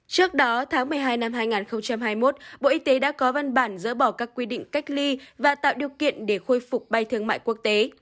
trước đó tháng một mươi hai năm hai nghìn hai mươi một bộ y tế đã có văn bản dỡ bỏ các quy định cách ly và tạo điều kiện để khôi phục bay thương mại quốc tế